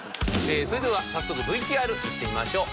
それでは早速ＶＴＲいってみましょう。